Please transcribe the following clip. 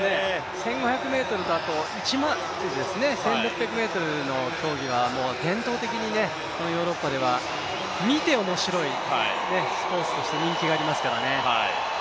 １５００ｍと、あと１００００ｍですね、伝統的にヨーロッパでは見て面白いスポーツとして人気がありますからね。